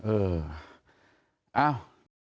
เออเอ้า